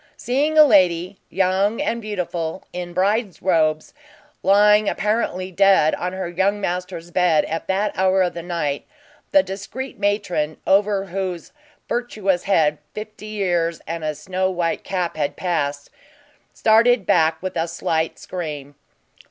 Seeing a lady, young and beautiful, in bride robes, lying apparently dead on her young master's bed at that hour of the night, the discreet matron, over whose virtuous head fifty years and a snow white cap had passed, started back with a slight scream.